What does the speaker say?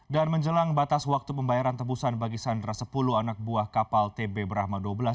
dan menjelang batas waktu pembayaran tembusan bagi sandra sepuluh anak buah kapal tb brahma dua belas